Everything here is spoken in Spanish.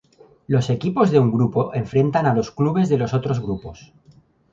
Los equipos de un grupo enfrentan a los clubes de los otros grupos.